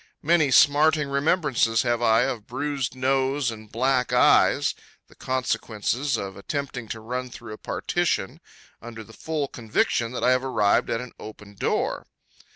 Many smarting remembrances have I of bruised nose and black eyes, the consequences of attempting to run through a partition, under the full conviction that I have arrived at an open door.